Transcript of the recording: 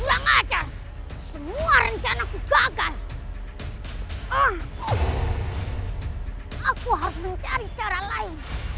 aku harus mencari cara lain